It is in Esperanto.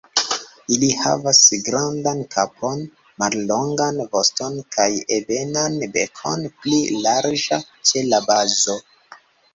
Ili havas grandan kapon, mallongan voston kaj ebenan bekon, pli larĝa ĉe la bazo.